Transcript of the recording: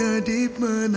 aku akan pergi